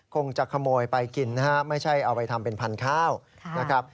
คงจะขโมยไปกินนะฮะไม่ใช่เอาไปทำเป็นพันธุ์ข้าวนะครับ